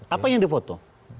apanya yang dia foto